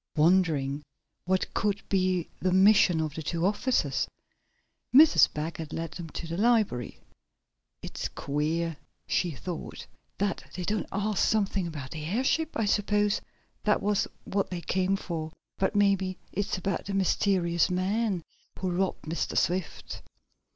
Wondering what could be the mission of the two officers, Mrs. Baggert led them to the library. "It's queer," she thought, "that they don't ask something about the airship. I suppose that was what they came for. But maybe it's about the mysterious men who robbed Mr. Swift."